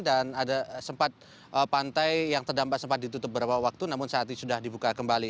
dan ada sempat pantai yang terdampak sempat ditutup beberapa waktu namun saat ini sudah dibuka kembali